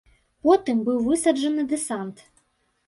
Потым быў высаджаны дэсант.